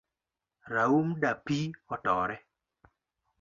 Raum dapii otore